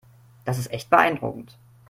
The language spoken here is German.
Das ist echt beeindruckend.